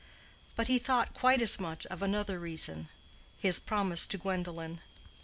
But he thought quite as much of another reason—his promise to Gwendolen.